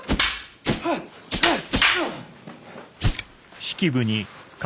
はっはっ。